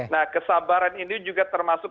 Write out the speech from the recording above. nah kesabaran ini juga termasuk